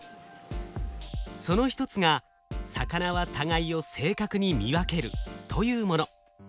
その一つが魚は互いを正確に見分けるというもの。